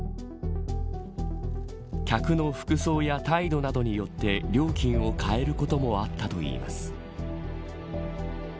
客の服装や態度などによって料金を変えることもあったといいます。